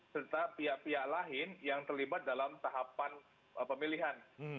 serta pihak pihak lain yang terlibat dalam tahapan pemilihan